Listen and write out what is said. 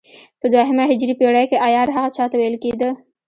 په دوهمه هجري پېړۍ کې عیار هغه چا ته ویل کېده.